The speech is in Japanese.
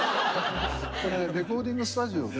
これレコーディングスタジオで。